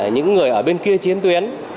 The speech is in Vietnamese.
những người ở bên kia chiến tuyến